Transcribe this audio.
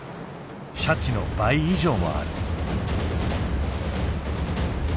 シャチの倍以上もある。